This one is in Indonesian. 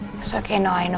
gak apa apa aku tahu